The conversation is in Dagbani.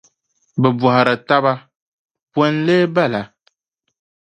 bɛ bɔhiri taba, “Bɔ n-lee bala?”